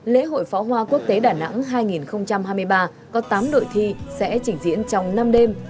lễ hội pháo hoa quốc tế đà nẵng hai nghìn hai mươi ba có tám đội thi sẽ chỉnh diễn trong năm đêm